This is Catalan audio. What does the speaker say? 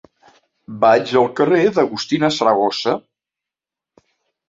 Vaig al carrer d'Agustina Saragossa.